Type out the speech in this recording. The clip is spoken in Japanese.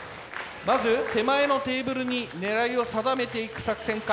まず手前のテーブルに狙いを定めていく作戦か。